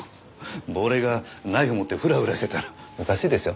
亡霊がナイフ持ってフラフラしてたらおかしいでしょ。